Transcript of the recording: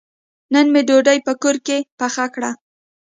نن مې ډوډۍ په کور کې پخه کړه.